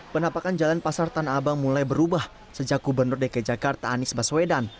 penapakan jalan pasar tanah abang mulai berubah sejak gubernur dki jakarta anies baswedan